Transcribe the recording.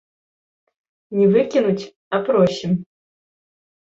Не выкінуць, а просім.